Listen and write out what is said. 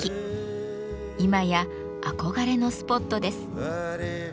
今や憧れのスポットです。